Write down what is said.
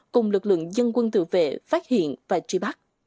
cùng lực lượng dân quân tự vệ phát hiện và truy bắt